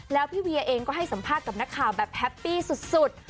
แล้วพี่เวียเองก็ให้สัมภาษณ์กับนักข่าวแบบแฮปปี้สุด